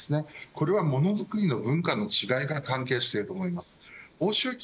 これはもの作りの文化の違いが関係しています。